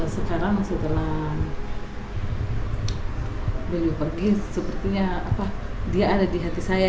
sekarang setelah beliau pergi sepertinya dia ada di hati saya